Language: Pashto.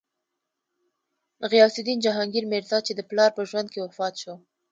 غیاث الدین جهانګیر میرزا، چې د پلار په ژوند کې وفات شو.